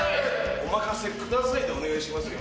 お任せくださいでお願いしますよ。